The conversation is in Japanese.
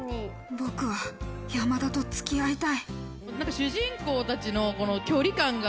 僕は山田と付き合いたい。